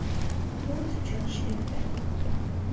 Вот и чыныш лекте.